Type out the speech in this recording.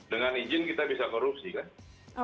dengan izin kita bisa korupsi kan